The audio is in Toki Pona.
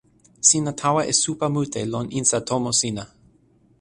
sina tawa e supa mute lon insa tomo sina.